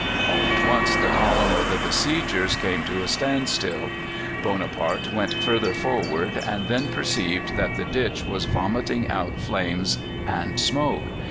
All at once the column of the besiegers came to a standstill. Bonaparte went further forward, and then perceived that the ditch was vomiting out flames and smoke.